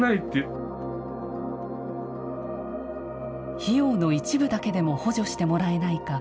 費用の一部だけでも補助してもらえないか